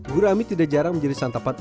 gurami tidak jarang menjadi santapan